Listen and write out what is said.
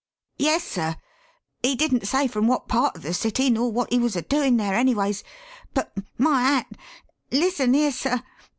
"Yes, sir. He didn't say from wot part of the city nor wot he was a doin' there, anyways, but my hat! listen here, sir.